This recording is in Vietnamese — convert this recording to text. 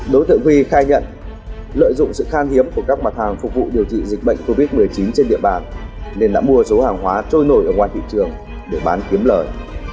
đối tượng huy khai nhận lợi dụng sự khan hiếm của các mặt hàng phục vụ điều trị dịch bệnh covid một mươi chín trên địa bàn nên đã mua số hàng hóa trôi nổi ở ngoài thị trường để bán kiếm lời